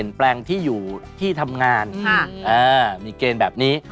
ตระตุลาคมค่ะ